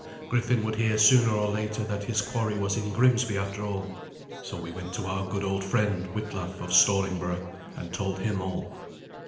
Griffin would hear sooner or later that his quarry was in Grimsby after all. So we went to our good old friend, Witlaf of Stallingborough, and told him all.